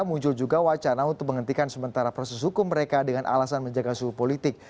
muncul juga wacana untuk menghentikan sementara proses hukum mereka dengan alasan menjaga suhu politik